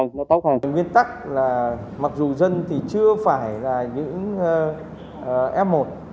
nguyên tắc là mặc dù dân thì chưa phải là những f một